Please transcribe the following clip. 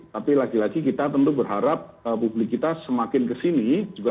tapi lagi lagi kita tentu berharap publik kita semakin kesini